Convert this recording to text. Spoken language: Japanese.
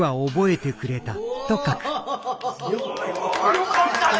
よかったね！